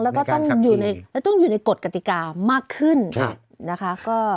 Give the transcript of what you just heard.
แล้วก็ต้องอยู่ในกฎกติกามากขึ้นนะคะ